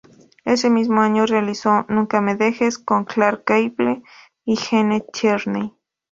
Ese mismo año realizó "Nunca me dejes" con Clark Gable y Gene Tierney.